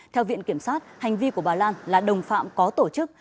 theo viện kiểm sát hành vi của bà lan là đồng phạm có tổ chức